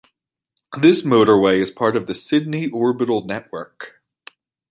This motorway is part of the Sydney Orbital Network.